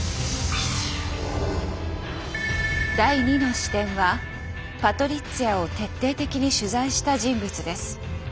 第２の視点はパトリッツィアを徹底的に取材した人物です。